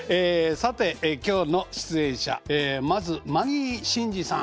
さて今日の出演者まずマギー審司さん。